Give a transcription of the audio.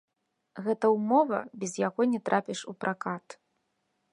Гэта ўмова, без якой не трапіш у пракат.